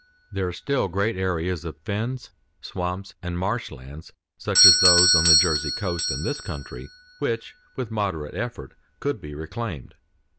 There are still great areas of fens, swamps, and marshlands, such as those on the Jersey coast in this country, which with moderate effort could be reclaimed.